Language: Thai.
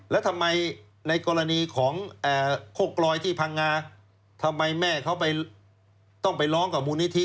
แล้วทำไมในกรณีของโคกลอยที่พังงาทำไมแม่เขาต้องไปร้องกับมูลนิธิ